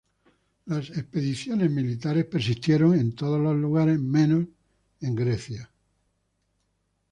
Las expediciones militares persistieron en todos los lugares menos en Grecia.